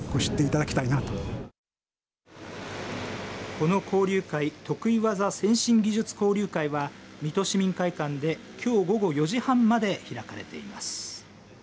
この交流会得意技・先進技術交流会は水戸市民会館できょう午後４時半まで開かれています。